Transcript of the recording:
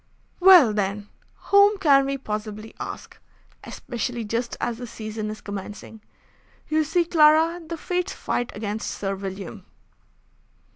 "Well, then, whom can we possibly ask? Especially just as the season is commencing. You see, Clara, the fates fight against Sir William."